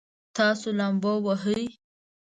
تاسو لامبو وهئ؟